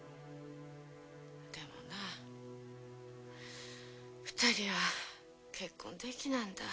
でもなぁ２人は結婚できなんだ。